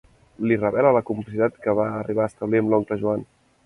Li revela la complicitat que va arribar a establir amb l'oncle Joan.